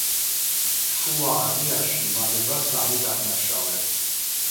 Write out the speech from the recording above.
შუა აზიაში იმალება სამი დამნაშავე.